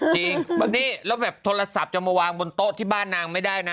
จริงแล้วแบบโทรศัพท์จะมาวางบนโต๊ะที่บ้านนางไม่ได้นะ